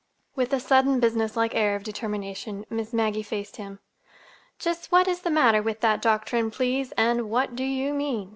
With a sudden businesslike air of determination Miss Maggie faced him. "Just what is the matter with that doctrine, please, and what do you mean?"